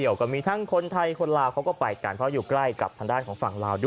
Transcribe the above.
วันอส